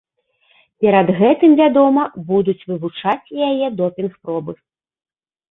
Перад гэтым, вядома, будуць вывучаць і яе допінг-пробы.